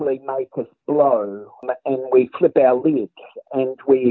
ini sebenarnya adalah pilihan